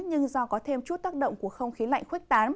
nhưng do có thêm chút tác động của không khí lạnh khuếch tán